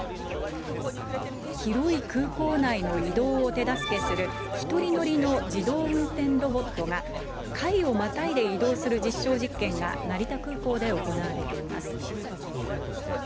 広い空港内の移動を手助けする、１人乗りの自動運転ロボットが階をまたいで移動する実証実験が、成田空港で行われています。